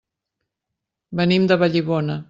Venim de Vallibona.